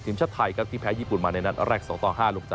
ทีมชาติไทยครับที่แพ้ญี่ปุ่นมาในนัดแรก๒ต่อ๕ลูก๓